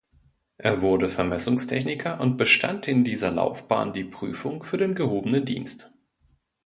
Er wurde Vermessungstechniker und bestand in dieser Laufbahn die Prüfung für den gehobenen Dienst.